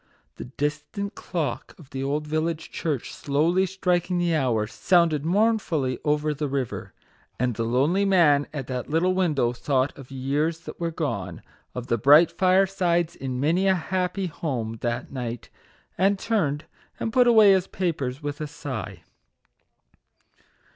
The distant clock of the old village church, slowly striking the hour, sounded mournfully over the river; and the lonely man at that little window thought of years that were gone, of the bright firesides in many a happy home that night, and turned and put away his papers with a sigh.